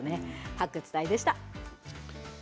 発掘隊でした。